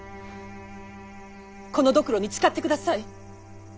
このドクロに誓ってください。